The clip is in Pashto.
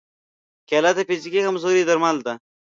کېله د فزیکي کمزورۍ درمل ده.